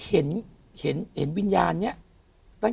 โปรดติดตามต่อไป